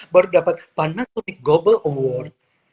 baru dapat panasonic gobble award